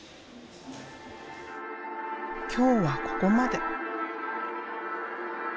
今日はここまで。